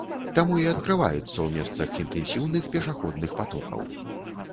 Таму і адкрываюцца ў месцах інтэнсіўных пешаходных патокаў.